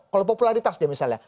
kalau popularitasnya misalnya